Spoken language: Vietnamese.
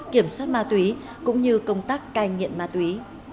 kiểm soát ma túy cũng như công tác cai nghiện ma túy